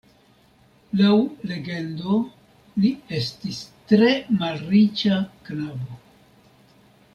Laŭ legendo, li estis tre malriĉa knabo.